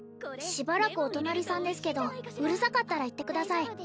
しばらくお隣さんですけどうるさかったら言ってください